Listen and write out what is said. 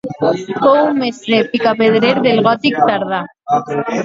Fou un mestre picapedrer del gòtic tardà.